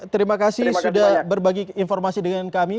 terima kasih sudah berbagi informasi dengan kami